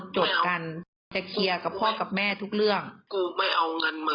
จะเคลียร์กับพ่อกับแม่ทุกเรื่อง